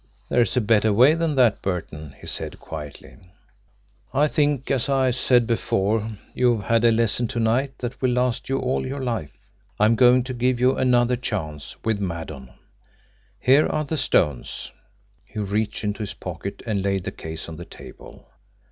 "There's a better way than that, Burton," he said quietly. "I think, as I said before, you've had a lesson to night that will last you all your life. I'm going to give you another chance with Maddon. Here are the stones." He reached into his pocket and laid the case on the table.